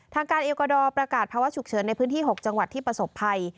ทางการเอลกอดอร์ประกาศภาวะฉุกเฉินในพื้นที่๖จังหวัดที่ประสบภัย